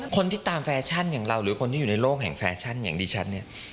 คนที่ตามแฟชั่นอย่างเราหรือคนที่อยู่ในโลกแห่งแฟชั่นอย่างดิฉันเนี่ย